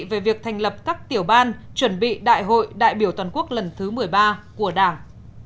về việc thành lập các tiểu ban chuẩn bị đại hội đại biểu toàn quốc lần thứ một mươi ba của đảng